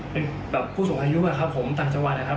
เป็นแบบผู้สูงอายุอะครับผมต่างจังหวัดนะครับ